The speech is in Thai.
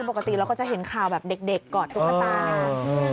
ปกติเราก็จะเห็นข่าวแบบเด็กกอดตุ๊กตา